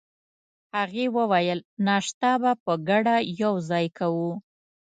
هغې وویل: ناشته به په ګډه یوځای کوو.